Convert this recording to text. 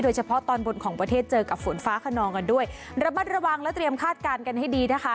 เฉพาะตอนบนของประเทศเจอกับฝนฟ้าขนองกันด้วยระมัดระวังและเตรียมคาดการณ์กันให้ดีนะคะ